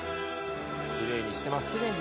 きれいにしてます